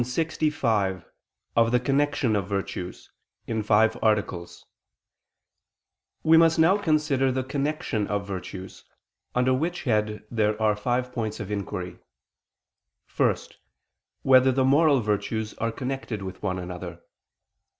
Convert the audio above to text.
________________________ QUESTION 65 OF THE CONNECTION OF VIRTUES (In Five Articles) We must now consider the connection of virtues: under which head there are five points of inquiry: (1) Whether the moral virtues are connected with one another?